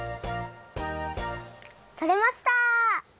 とれました！